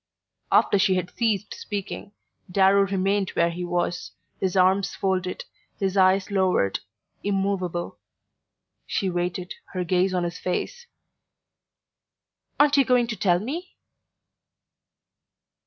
After she had ceased speaking Darrow remained where he was, his arms folded, his eyes lowered, immovable. She waited, her gaze on his face. "Aren't you going to tell me?"